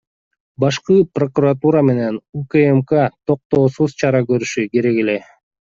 Башкы прокуратура менен УКМК токтоосуз чара көрүшү керек эле.